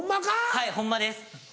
はいホンマです。